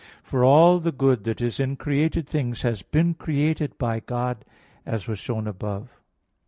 For all the good that is in created things has been created by God, as was shown above (Q.